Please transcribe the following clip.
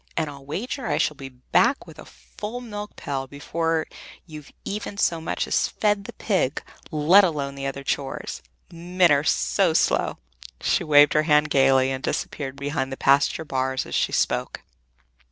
And I'll wager I shall be back with a full milk pail before you've even so much as fed the pig, let alone the other chores men are so slow!" She waved her hand gayly and disappeared behind the pasture bars, as she spoke.